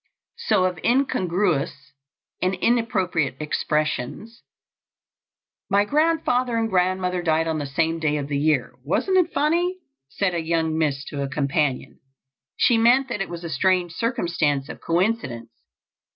So of incongruous and inappropriate expressions. "My grandfather and grandmother died on the same day of the year? wasn't it funny?" said a young miss to a companion She meant that it was a strange circumstance or coincidence.